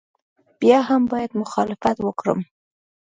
بیا هم باید مخالفت وکړم.